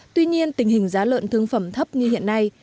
tuy nhiên tình hình giá lợn thương phẩm thấp như hiện nay